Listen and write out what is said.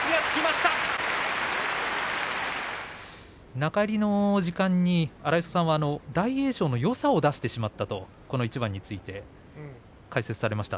中入りの時間に荒磯さんは大栄翔のよさを出してしまったとこの一番について解説されました。